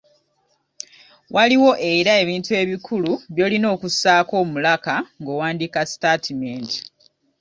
Waliwo era ebintu ebikulu by’olina okussaako omulaka ng’owandiika sitaatimenti.